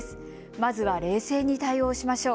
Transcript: まずは冷静に対応しましょう。